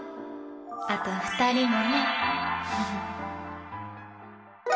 あと２人もね。